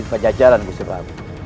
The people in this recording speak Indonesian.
di pajajara gusti prabu